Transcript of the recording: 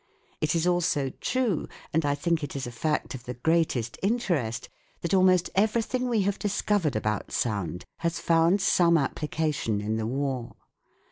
It is also true, and I think it is a fact of the greatest interest, that almost everything we have discovered about sound has found some appli cation in the War.